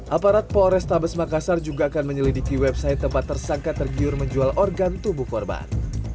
aparat polrestabes makassar juga akan menyelidiki website tempat tersangka tergiur menjual organ tubuh korban